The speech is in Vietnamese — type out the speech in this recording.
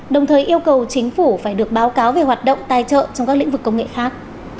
đồng thời yêu cầu chính phủ phải được báo cáo về hoạt động tài trợ trong các lĩnh vực công nghệ khác